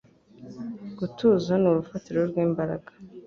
Gutuza ni urufatiro rw'imbaraga.”